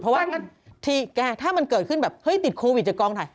เพราะว่าถ้ามันเกิดขึ้นแบบเฮ้ยติดโควิดจากกองถ่าย